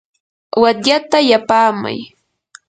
watyata yapaamay.